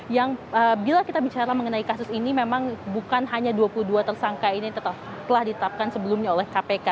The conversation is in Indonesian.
yang bila kita bicara mengenai kasus ini memang bukan hanya dua puluh dua tersangka ini telah ditetapkan sebelumnya oleh kpk